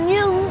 con mua cái gì